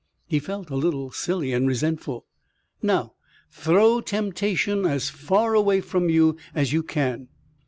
He felt a little silly and resentful. "Now throw temptation as far away from you as you can."